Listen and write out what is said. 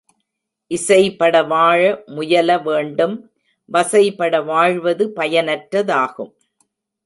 இசைபட வாழ முயல வேண்டும் வசைபட வாழ்வது பயனற்றதாகும்.